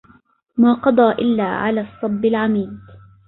ما قضى إلا على الصب العميد